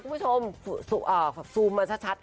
ก็ลอบสายคุณผู้ชมซุอร์วมาชาชัดค่ะ